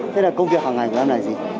thế là công việc hàng ngày của em là gì